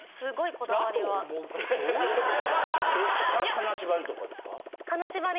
金縛りとかですか？